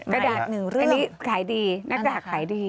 กระดาษหนึ่งเรื่องนี้ขายดีหน้ากากขายดี